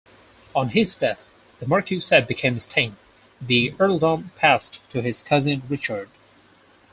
On his death the marquessate became extinct; the earldom passed to his cousin Richard.